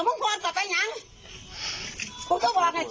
มันเป็นวันเรียงมันเป็นวันเรียง